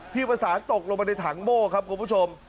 ประสานตกลงไปในถังโบ้ครับคุณผู้ชม